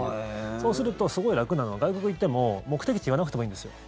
そうすると、すごい楽なのが外国行っても目的地言わなくてもいいんですよ。